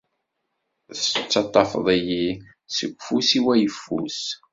Tettaṭṭafeḍ-iyi seg ufus-iw ayeffus.